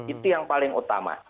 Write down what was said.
itu yang paling utama